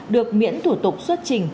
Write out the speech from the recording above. được miễn thủ tục xuất trình